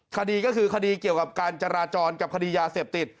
คดีก็คือคดีเกี่ยวกับการจราจรกับคดียาเสพติด